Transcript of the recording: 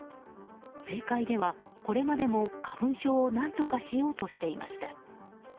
政界では、これまでも花粉症を何とかしようとしていました。